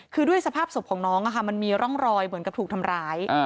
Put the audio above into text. คือด้วยสภาพศพของน้องมันมีร่องรอยเหมือนกับถูกทำร้าย